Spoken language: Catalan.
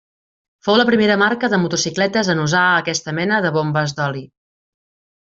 Fou la primera marca de motocicletes en usar aquesta mena de bombes d’oli.